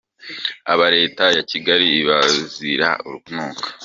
Aba Leta ya Kigali ibazira urunuka.